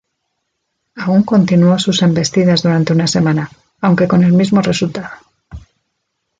Aún continuó sus embestidas durante una semana, aunque con el mismo resultado.